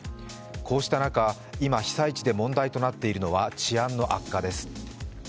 こうした中、今被災地で問題となっているのは治安の悪化です。